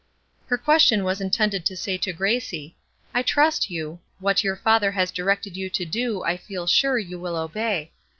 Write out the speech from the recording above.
Her question was intended to say to Gracie: "I trust you. What your father has directed you to do, I feel sure you will obey."